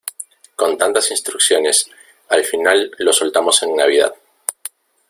con tantas instrucciones, al final lo soltamos en Navidad.